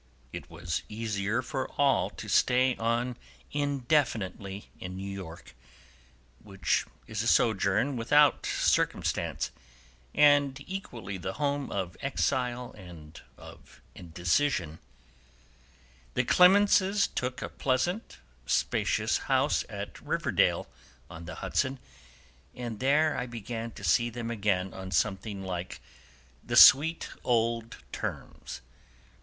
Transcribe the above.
It was easier for all to stay on indefinitely in New York, which is a sojourn without circumstance, and equally the home of exile and of indecision. The Clemenses took a pleasant, spacious house at Riverdale, on the Hudson, and there I began to see them again on something like the sweet old terms.